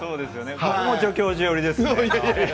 僕も助教授寄りですね。